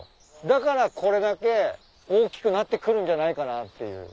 だからこれだけ大きくなってくるんじゃないかなっていう。